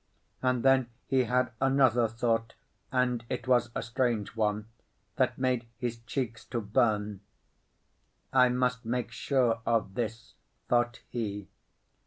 And then he had another thought; and it was a strange one, that made his cheeks to burn. "I must make sure of this," thought he.